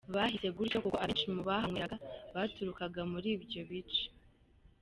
Bahise gutyo kuko abenshi mu bahanyweraga baturukaga muri ibyo bice.